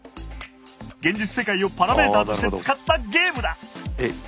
現実世界をパラメーターとして使ったゲームだ！